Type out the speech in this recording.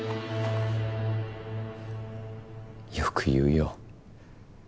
よく言うよ。